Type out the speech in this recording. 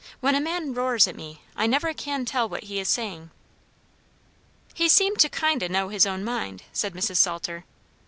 "When a man roars at me, I never can tell what he is saying." "He seemed to kind o' know his own mind," said Mrs. Salter.